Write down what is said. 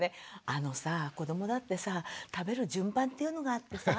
あのさ子どもだってさ食べる順番っていうのがあってさ。